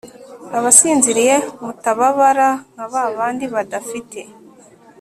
abasinziriye mutababara nka ba bandi badafite